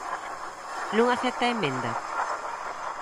¿Non acepta a emenda?